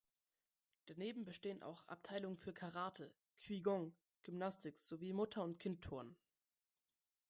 Daneben bestehen auch Abteilungen für Karate, Qigong, Gymnastik sowie Mutter-und-Kind-Turnen.